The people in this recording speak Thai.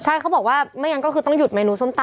ใช่เขาบอกว่าไม่งั้นก็คือต้องหยุดเมนูส้มตำ